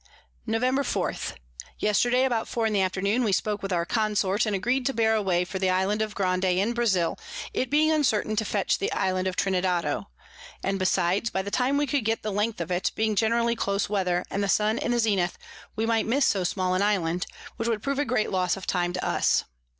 Nov. 4. Yesterday about four in the Afternoon we spoke with our Consort, and agreed to bear away for the Island of Grande in Brazile, it being uncertain to fetch the Island of Trinidado; and besides, by the time we could get the length of it, being generally close Weather, and the Sun in the Zenith, we might miss so small an Island; which would prove a great loss of time to us.